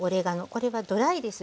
これはドライです。